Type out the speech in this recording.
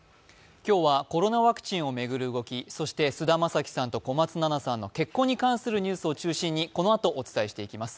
今日はコロナワクチンをめぐる動き、そして菅田将暉さんと小松菜奈さんの結婚に関するニュースを中心にこのあとお伝えしていきます。